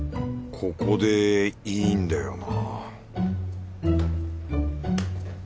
ここでいいんだよな？